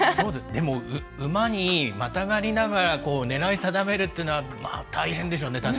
馬にまたがりながら狙いを定めるのは大変でしょうね。